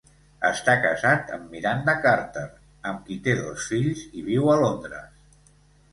Està casat amb Miranda Carter, amb qui té dos fills i viu a Londres.